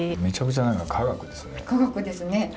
めちゃくちゃ何か科学ですね。